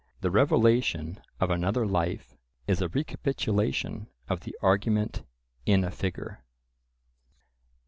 The revelation of another life is a recapitulation of the argument in a figure.